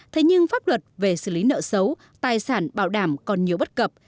thế nhưng pháp luật về xử lý nợ xấu tài sản bảo đảm còn nhiều bất cập